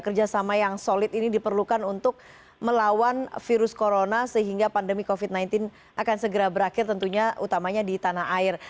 kerjasama yang solid ini diperlukan untuk melawan virus corona sehingga pandemi covid sembilan belas akan segera berakhir tentunya utamanya di tanah air